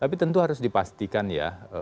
tapi tentu harus dipastikan ya